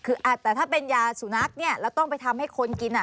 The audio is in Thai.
คือแต่ถ้าเป็นยาสุนัขเนี่ยแล้วต้องไปทำให้คนกิน